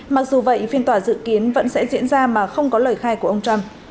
mặc dù vậy phiên tòa dự kiến vẫn sẽ diễn ra mà không có lời khai của ông trump